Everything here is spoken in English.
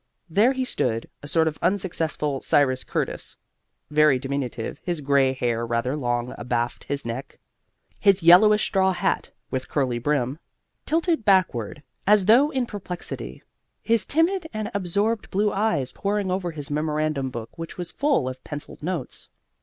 There he stood (a sort of unsuccessful Cyrus Curtis), very diminutive, his gray hair rather long abaft his neck, his yellowish straw hat (with curly brim) tilted backward as though in perplexity, his timid and absorbed blue eyes poring over his memorandum book which was full of pencilled notes.